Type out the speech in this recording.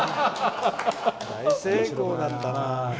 大成功だったな。